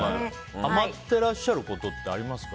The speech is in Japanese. ハマっていらっしゃることってありますか？